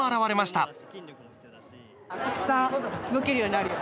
たくさん動けるようになるよ。